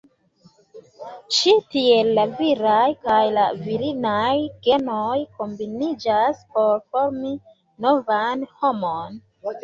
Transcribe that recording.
Ĉi tiel la viraj kaj la virinaj genoj kombiniĝas por formi novan homon.